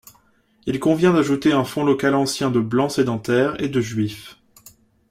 Il convient d’ajouter un fond local ancien de Blancs sédentaires et de Juifs.